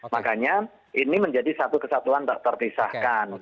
makanya ini menjadi satu kesatuan tak terpisahkan